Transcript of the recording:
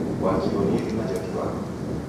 Wakio ni irina jha kiw'aka.